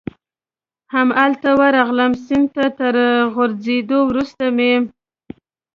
همالته ورغلم، سیند ته تر غورځېدو وروسته مې.